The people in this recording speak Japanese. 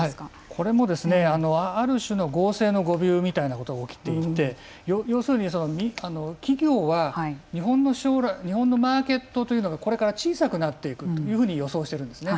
これもある種の合成の誤びゅうみたいなことが起きていて要するに企業は日本のマーケットというのがこれから小さくなっていくというふうに予想してるんですね。